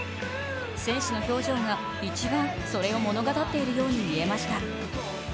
選手の表情が一番それを物語っているように見えました。